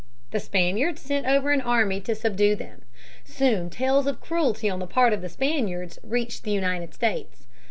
The Spaniards sent over an army to subdue them. Soon tales of cruelty on the part of the Spaniards reached the United States.